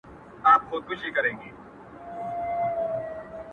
• د داسي قوي شخصیت خاوند وو ,